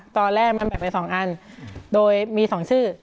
ตอนแรกมันเป็นสองอันโดยมีสองชื่อ